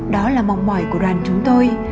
đó là mong mỏi của đoàn chúng tôi